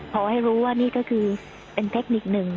พอให้รู้ว่านี่ก็คือเป็นเทคนิคหนึ่ง